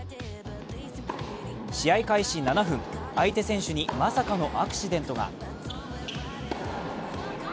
試合開始７分、相手選手にまさかのアクシデントが。